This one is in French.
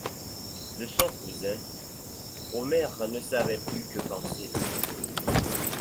De son cousin, Omer ne savait plus que penser.